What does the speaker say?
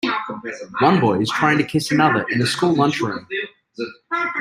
One boy is trying to kiss another in a school lunch room.